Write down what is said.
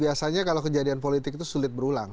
biasanya kalau kejadian politik itu sulit berulang